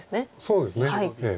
そうですね。